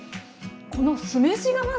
この酢飯がまず。